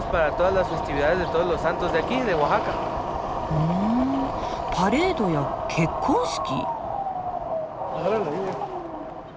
ふんパレードや結婚式！？